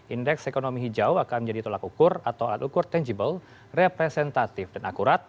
indeks ekonomi hijau akan menjadi tolak ukur atau alat ukur tangible representatif dan akurat